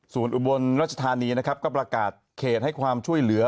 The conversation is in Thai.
ส่วนอุบลรัชธานีนะครับก็ประกาศเขตให้ความช่วยเหลือ